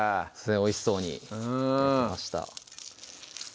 おいしそうに焼けました